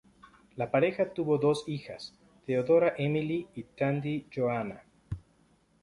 La pareja tuvo dos hijas, Theodora Emily y Tandy Johanna.